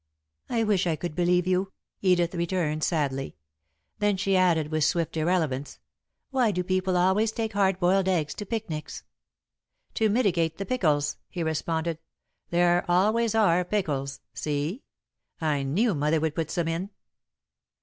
"I wish I could believe you," Edith returned, sadly. Then she added, with swift irrelevance: "Why do people always take hard boiled eggs to picnics?" "To mitigate the pickles," he responded. "There always are pickles see? I knew Mother would put some in."